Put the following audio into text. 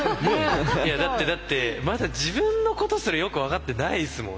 いやだってだってまだ自分のことすらよく分かってないですもん。